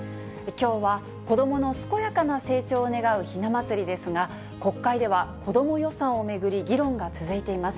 きょうは子どもの健やかな成長を願うひな祭りですが、国会では子ども予算を巡り、議論が続いています。